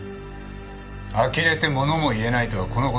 あきれてものも言えないとはこのことだ。